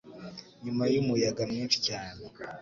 nyuma yumuyaga mwinshi cyane